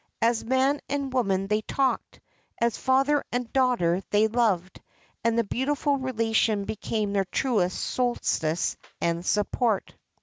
As man and woman they talked, as father and daughter they loved; and the beautiful relation became their truest solace and support.